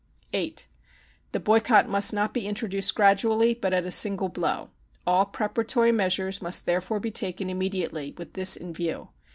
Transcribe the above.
(8) The boycott must not be introduced gradually, but at a "Single blow. All preparatory measures must therefore be taken immediately with this in view.